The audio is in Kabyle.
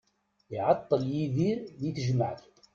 Iɛeṭṭel Yidir di tejmaɛt.